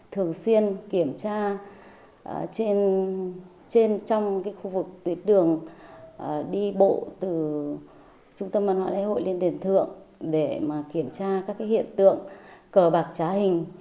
thường xuyên kiểm tra trên trong cái khu vực tuyệt đường đi bộ từ trung tâm văn hóa lễ hội lên đền thượng để mà kiểm tra các cái hiện tượng cờ bạc trá hình